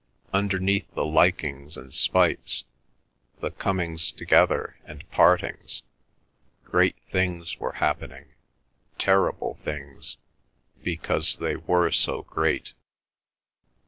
Underneath the likings and spites, the comings together and partings, great things were happening—terrible things, because they were so great.